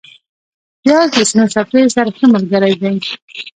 پیاز د شنو سبزیو سره ښه ملګری دی